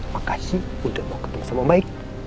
makasih udah mau ketemu sama om baik